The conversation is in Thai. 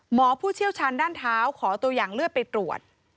ผู้เชี่ยวชาญด้านเท้าขอตัวอย่างเลือดไปตรวจ